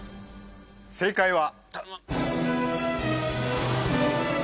正解は。